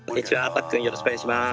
パックン、よろしくお願いします。